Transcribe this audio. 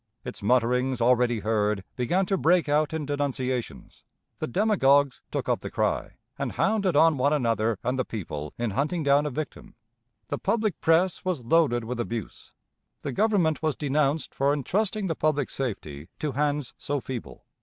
Its mutterings, already heard, began to break out in denunciations. The demagogues took up the cry, and hounded on one another and the people in hunting down a victim. The public press was loaded with abuse. The Government was denounced for intrusting the public safety to hands so feeble.